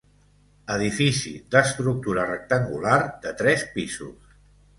Edifici d'estructura rectangular de tres pisos.